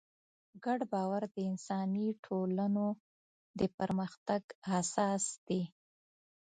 ګډ باور د انساني ټولنو د پرمختګ اساس دی.